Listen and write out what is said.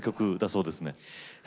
そうですね